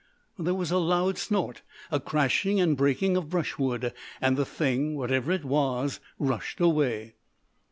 There was a loud snort, a crashing and breaking of brushwood, and the thing, whatever it was, rushed away.